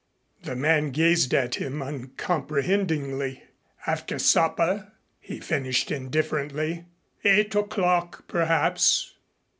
The man gazed at him uncomprehendingly. "After supper." He finished indifferently, "Eight o'clock, perhaps."